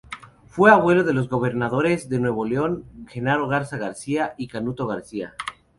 Fue abuelo de los gobernadores de Nuevo León Genaro Garza García y Canuto García.